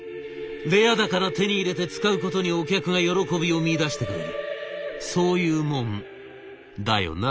レアだから手に入れて使うことにお客が喜びを見いだしてくれるそういうもんだよな？」。